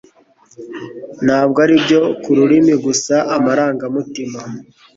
Ntabwo ari ibyo ku rurimi gusa amarangamutima